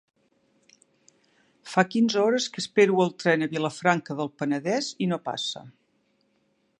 Fa quinze hores que espero el tren a Vilafranca del Penedès i no passa.